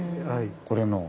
これの。